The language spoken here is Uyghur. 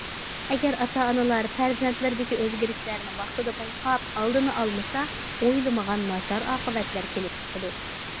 ئەگەر ئاتا- ئانىلار پەرزەنتلىرىدىكى ئۆزگىرىشلەرنى ۋاقتىدا بايقاپ ئالدىنى ئالمىسا، ئويلىمىغان ناچار ئاقىۋەتلەر كېلىپ چىقىدۇ.